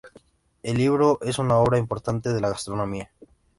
El libro es una obra importante de la gastronomía.